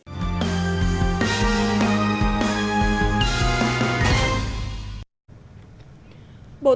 bộ tài truyền thống